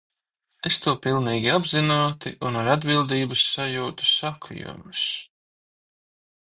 Es to pilnīgi apzināti un ar atbildības sajūtu saku jums.